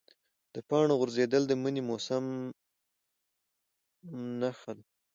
د پاڼو غورځېدل د مني موسم نښه ده.